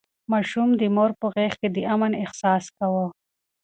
ماشوم د مور په غېږ کې د امن احساس کاوه.